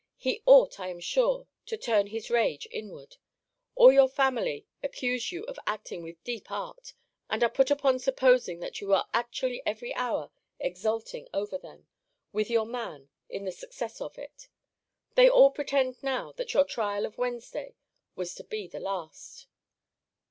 He ought, I am sure, to turn his rage inward. All your family accuse you of acting with deep art; and are put upon supposing that you are actually every hour exulting over them, with your man, in the success of it. They all pretend now, that your trial of Wednesday was to be the last.